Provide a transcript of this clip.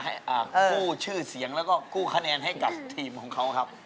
กู้ชื่อเสียงแล้วก็กู้คะแนนให้กับทีมของเขาครับ